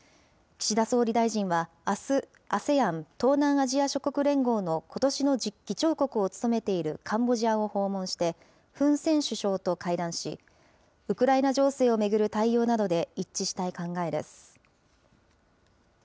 岸田総理大臣はあす、ＡＳＥＡＮ・東南アジア諸国連合のことしの議長国を務めているカンボジアを訪問して、フン・セン首相と会談し、ウクライナ情勢を巡る対応などで一致したい考えです。